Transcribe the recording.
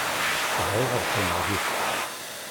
Bɣiɣ ad qqimeɣ yid-k.